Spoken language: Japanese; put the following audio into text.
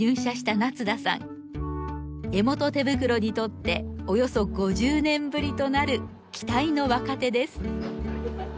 江本手袋にとっておよそ５０年ぶりとなる期待の若手です。